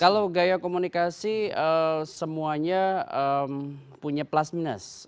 kalau gaya komunikasi semuanya punya plasminas